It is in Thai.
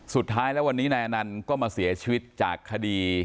สุดท้ายแล้ววันนี้นายอนันต์ก็มาเสียชีวิตจากคดี